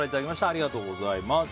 ありがとうございます。